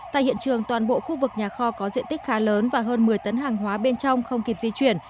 tại hiện trường toàn bộ khu vực nhà kho có diện tích khá lớn và hơn một mươi tấn hàng hóa bên trong không kịp di chuyển